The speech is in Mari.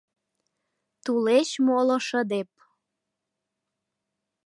Тулеч моло шыдеп